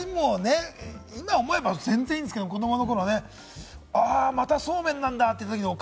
今思えば全然いいんですけれど、子どもの頃ね、また、そうめんなんだって。